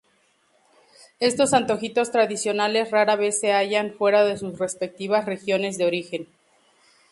Estos antojitos tradicionales rara vez se hallan fuera de sus respectivas regiones de origen.